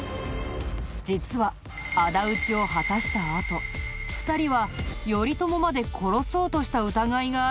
実は仇討ちを果たしたあと２人は頼朝まで殺そうとした疑いがあるんだ。